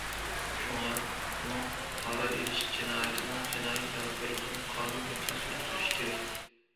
شۇڭا، ئۇنىڭ پارا ئېلىش جىنايىتىنىڭ جىنايى جاۋابكارلىقىنى قانۇن بويىچە سۈرۈشتۈرۈش كېرەك.